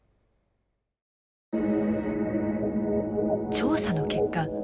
調査の結果